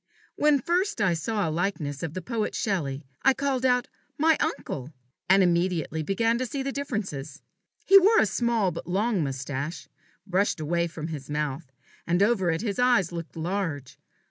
When first I saw a likeness of the poet Shelley, I called out "My uncle!" and immediately began to see differences. He wore a small but long moustache, brushed away from his mouth; and over it his eyes looked large.